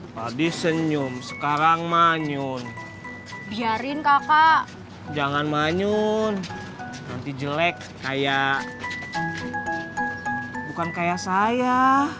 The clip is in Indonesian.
padi senyum sekarang manyun biarin kakak jangan manyun nanti jelek kayak bukan kayak saya